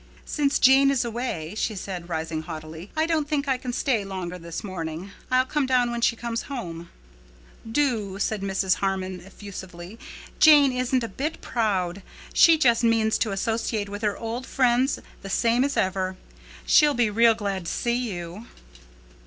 "Since Jane is away," she said, rising haughtily, "I don't think I can stay longer this morning. I'll come down when she comes home." "Do," said Mrs. Harmon effusively. "Jane isn't a bit proud. She just means to associate with her old friends the same as ever. She'll be real glad to see you."